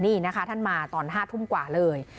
นี่นะคะท่านมาตอน๕ทุ่มกว่าเลย